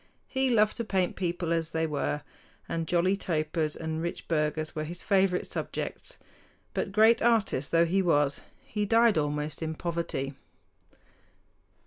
He loved to paint people as they were, and jolly topers and rich burghers were his favorite subjects; but, great artist though he was, he died almost in poverty.